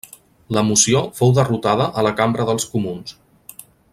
La moció fou derrotada a la Cambra dels Comuns.